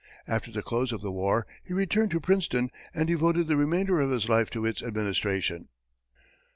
After the close of the war, he returned to Princeton and devoted the remainder of his life to its administration.